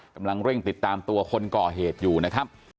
กำลังเร่งติดตามตัวคนก่อเหตุอยู่นะครับ